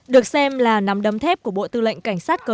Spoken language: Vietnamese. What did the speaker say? được xem là nắm đấm thép của bộ tư lệnh cảnh sát cơ